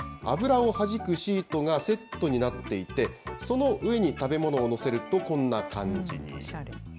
油をはじくシートがセットになっていて、その上に食べ物を載せると、こんな感じに。